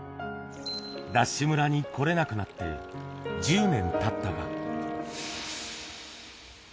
ＤＡＳＨ村に来れなくなって１０年たったが。